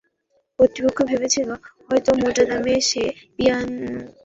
কর্তৃপক্ষ ভেবেছিল, হয়তো মোটা দামে সেই পিয়ানো কিনে নেবে গাগার কোনো অন্ধভক্ত।